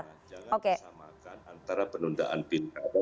jangan bersamakan antara penundaan pin kado